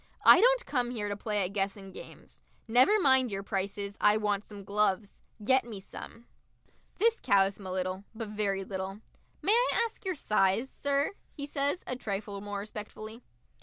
"I don't come here to play at Guessing Games. Never mind your prices. I want some gloves. Get me some!" This cows him a little, but very little. "May I ask your size, sir?" he says, a trifle more respectfully.